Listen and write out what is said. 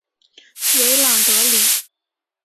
维朗德里。